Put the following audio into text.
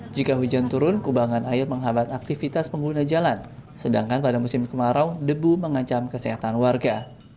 jika hujan turun kubangan air menghambat aktivitas pengguna jalan sedangkan pada musim kemarau debu mengancam kesehatan warga